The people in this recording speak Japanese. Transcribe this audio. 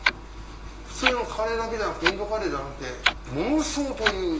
普通のカレーだけじゃなくてインドカレーじゃなくて妄想という。